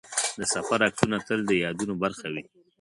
د سفر عکسونه تل د یادونو برخه وي.